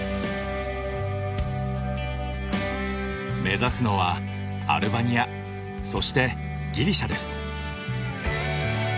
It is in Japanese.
目指すのはアルバニアそしてギリシャです。